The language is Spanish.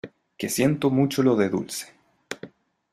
que siento mucho lo de Dulce.